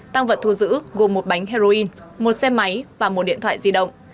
tăng vật thu giữ gồm một bánh heroin một xe máy và một điện thoại di động